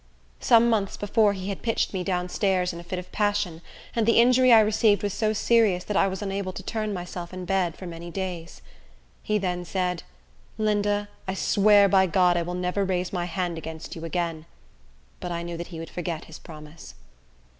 Some months before, he had pitched me down stairs in a fit of passion; and the injury I received was so serious that I was unable to turn myself in bed for many days. He then said, "Linda, I swear by God I will never raise my hand against you again;" but I knew that he would forget his promise.